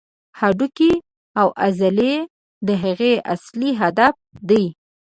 هډوکي او عضلې د هغې اصلي هدف دي.